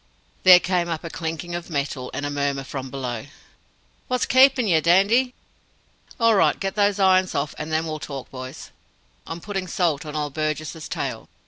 There came up a clinking of metal, and a murmur from below. "What's keepin' yer, Dandy?" "All right. Get those irons off, and then we'll talk, boys. I'm putting salt on old Burgess's tail."